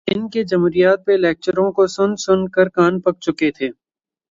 ان کے جمہوریت پہ لیکچروں کو سن سن کے کان پک چکے تھے۔